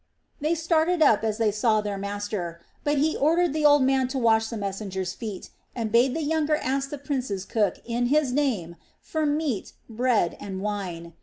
They started up as they saw their master; but he ordered the old man to wash the messenger's feet, and bade the younger ask the prince's cook in his name for meat, bread, and wine.